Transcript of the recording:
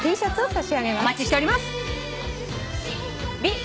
お待ちしております。